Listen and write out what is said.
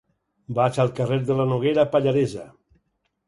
Vaig al carrer de la Noguera Pallaresa.